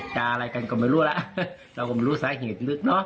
เจาก็ไม่รู้สาเหตุลึก